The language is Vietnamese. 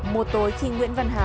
một tối khi nguyễn văn hà